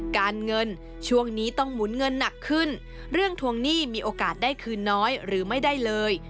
การเงินช่วงนี้ต้องหมุนเงินหนักขึ้นเรื่องทวงหนี้มีโอกาสได้คืนน้อยหรือไม่ได้เลย